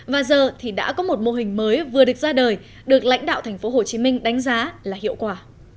và giờ thì đã có một mô hình mới vừa được ra đời được lãnh đạo thành phố hồ chí minh đánh giá là hiệu quả